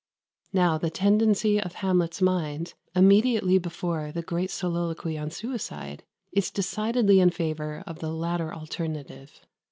Now, the tendency of Hamlet's mind, immediately before the great soliloquy on suicide, is decidedly in favour of the latter alternative.